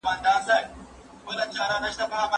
ايا ته زما سره موافق يې؟